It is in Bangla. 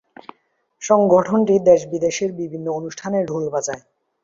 সংগঠনটি দেশ-বিদেশের বিভিন্ন অনুষ্ঠানে ঢোল বাজায়।